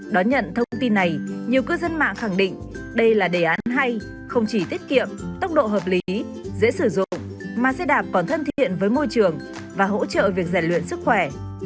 đón nhận thông tin này nhiều cư dân mạng khẳng định đây là đề án hay không chỉ tiết kiệm tốc độ hợp lý dễ sử dụng mà xe đạp còn thân thiện với môi trường và hỗ trợ việc giải luyện sức khỏe